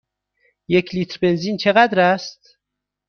یک لیتر بنزین چقدر است؟